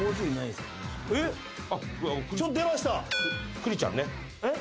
クリちゃんね。